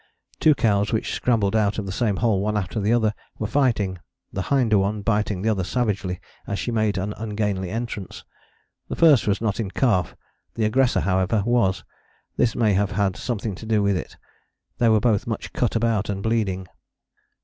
Two cows, which scrambled out of the same hole one after the other, were fighting, the hinder one biting the other savagely as she made an ungainly entrance. The first was not in calf, the aggressor, however, was: this may have had something to do with it. They were both much cut about and bleeding.